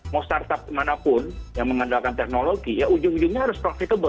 mau startup manapun yang mengandalkan teknologi ya ujung ujungnya harus profitable